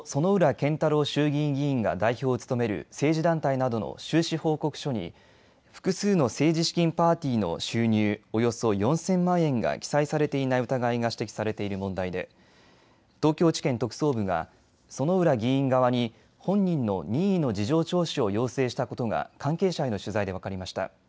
健太郎衆議院議員が代表を務める政治団体などの収支報告書に複数の政治資金パーティーの収入およそ４０００万円が記載されていない疑いが指摘されている問題で東京地検特捜部が薗浦議員側に本人の任意の事情聴取を要請したことが関係者への取材で分かりました。